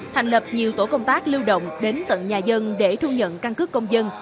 thành lập nhiều tổ công tác lưu động đến tận nhà dân để thu nhận căn cứ công dân